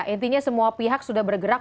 jadi semua pihak sudah bergerak